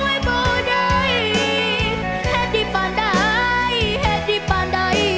ว่ายังไงบ้าก็ยังไง